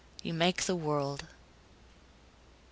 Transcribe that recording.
You make the world ..."